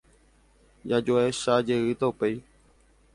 Jajuecha jeýta upéi.